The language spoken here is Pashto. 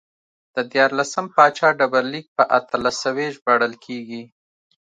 د دیارلسم پاچا ډبرلیک په اتلس سوی ژباړل کېږي